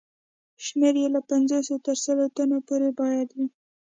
شمېر یې له پنځوس تر سلو تنو پورې باید وي.